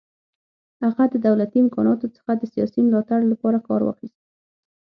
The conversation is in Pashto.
هغه د دولتي امکاناتو څخه د سیاسي ملاتړ لپاره کار واخیست.